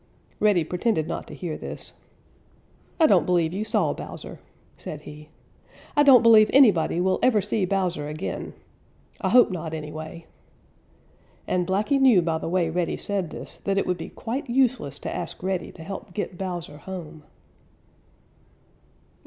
Reddy pretended not to hear this. "I don't believe you saw Bowser," said he. "I don't believe anybody will ever see Bowser again. I hope not, anyway." And Blacky knew by the way Reddy said this that it would be quite useless to ask Reddy to help get Bowser home.